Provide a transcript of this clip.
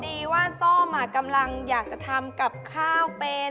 ดีว่าซ่อมกำลังอยากจะทำกับข้าวเป็น